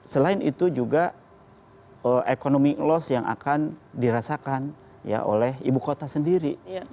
selain itu juga economic loss yang akan dirasakan oleh ibu kota sendiri